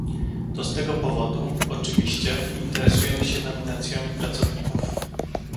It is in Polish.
To z tego powodu, oczywiście, interesujemy się nominacjami pracowników